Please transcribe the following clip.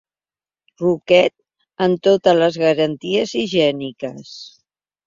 Ruquet amb totes les garanties higièniques.